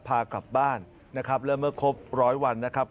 พากลับบ้านนะครับแล้วเมื่อครบร้อยวันนะครับ